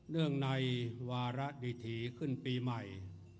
เรื่องในวาระดิถีขึ้นปีใหม่